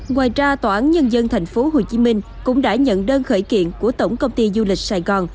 ngoài ra tòa án nhân dân thành phố hồ chí minh cũng đã nhận đơn khởi kiện của tổng công ty du lịch sài gòn